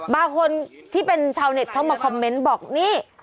บางคนที่เป็นชาวเน็ตเข้ามาคอมเมนต์บอกนี่